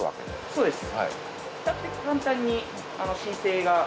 そうです。